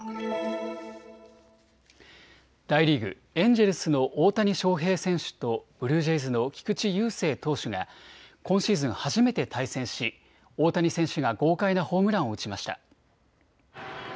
大リーグ、エンジェルスの大谷翔平選手とブルージェイズの菊池雄星投手が今シーズン初めて対戦し大谷選手が豪快なホームランを打ちました。